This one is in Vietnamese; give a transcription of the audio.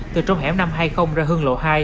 từ trong hẻo năm trăm hai mươi ra hương lộ hai